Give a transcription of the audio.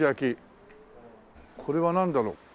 これはなんだろう？